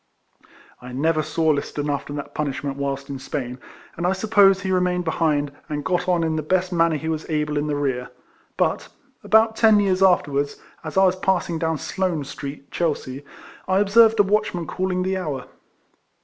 I never saw Liston after that punishment whilst in Spain; and I suppose he remained behind, and got on in the best manner he was able in the rear; but, about ten years afterwards, as I was passing down Sloane Street, Chelsea, I observed a watchman calling RIFLEMAN HARRIS. 151 the hour.